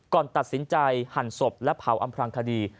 ก่อนตัดสินใจหั่นศพและเผาอำพลังคดี